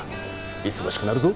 忙しくなるぞ。